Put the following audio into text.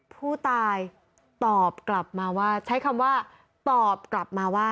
ผู้ตายตอบกลับมาว่าใช้คำว่าตอบกลับมาว่า